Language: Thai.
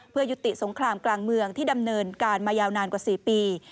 เพื่อยุติสงครามกลางเมืองที่ดำเนินการมายาวนานกว่า๔ปี